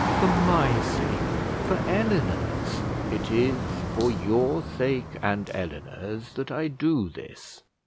for my sake, for Eleanor's! " "It is for your sake and Eleanor's that I do this.